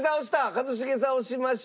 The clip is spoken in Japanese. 一茂さん押しました。